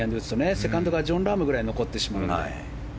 セカンドがジョン・ラームぐらい残ってしまうので。